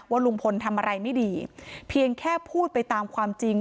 ลุงพลทำอะไรไม่ดีเพียงแค่พูดไปตามความจริง